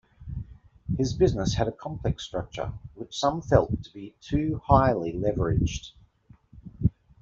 His business had a complex structure which some felt to be too highly leveraged.